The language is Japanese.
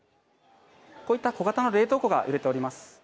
こういった小型の冷凍庫が売れております。